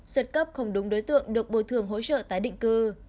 xuất cấp không đúng đối tượng được bồi thường hỗ trợ tái định cư